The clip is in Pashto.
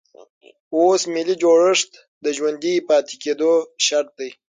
اوس ملي جوړښت د ژوندي پاتې کېدو شرط دی.